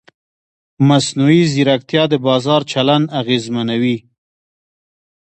مصنوعي ځیرکتیا د بازار چلند اغېزمنوي.